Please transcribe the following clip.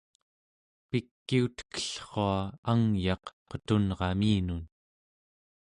pikiutekellrua angyaq qetunraminun